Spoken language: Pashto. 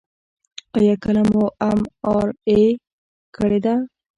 ایا کله مو ام آر آی کړې ده؟